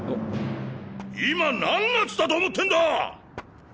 今何月だと思ってんだ！